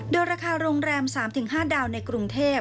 โดยราคาโรงแรม๓๕ดาวในกรุงเทพ